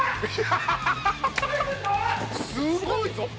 すごいぞ。